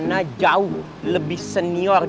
saya sudah selesai menikah dengan tisu aku